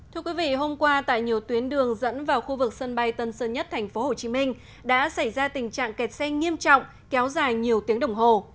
thưa quý vị hôm qua tại nhiều tuyến đường dẫn vào khu vực sân bay tân sơn nhất thành phố hồ chí minh đã xảy ra tình trạng kẹt xe nghiêm trọng kéo dài nhiều tiếng đồng hồ